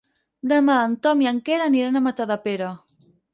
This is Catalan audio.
Demà en Tom i en Quer aniran a Matadepera.